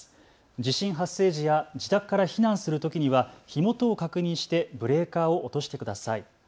地震発生時や自宅から避難するときには火元を確認してブレーカーを落としてください。